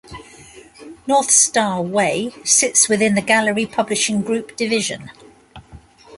North Star Way sits within the Gallery Publishing Group division.